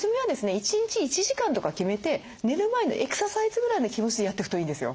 １日１時間とか決めて寝る前のエクササイズぐらいの気持ちでやっていくといいんですよ。